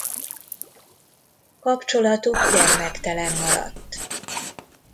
Kapcsolatuk gyermektelen maradt.